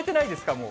もう。